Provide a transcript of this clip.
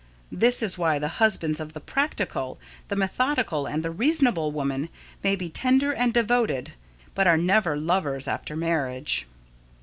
This is why the husbands of the "practical," the "methodical," and the "reasonable" women may be tender and devoted, but are never lovers after marriage.